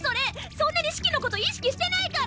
そんなにシキのこと意識してないから！